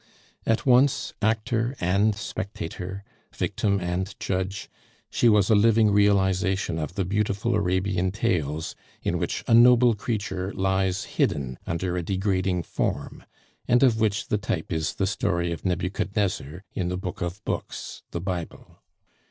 At once actor and spectator, victim and judge, she was a living realization of the beautiful Arabian Tales, in which a noble creature lies hidden under a degrading form, and of which the type is the story of Nebuchadnezzar in the book of books the Bible.